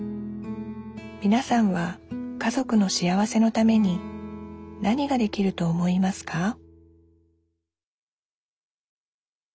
みなさんは家族の幸せのために何ができると思いますか？